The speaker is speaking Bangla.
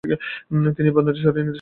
তিনি এই ব্যবধানটি সরিয়ে নিতে সফল হননি।